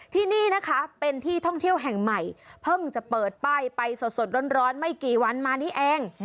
ที่นี่นะคะเป็นที่ท่องเที่ยวแห่งใหม่เพิ่งจะเปิดป้ายไปสดร้อนไม่กี่วันมานี้เอง